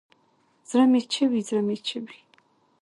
زړه مې چوي ، زړه مې چوي